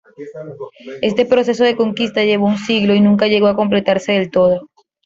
Este proceso de conquista llevó un siglo y nunca llegó a completarse del todo.